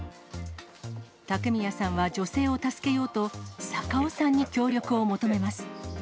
竹宮さんは女性を助けようと、坂尾さんに協力を求めます。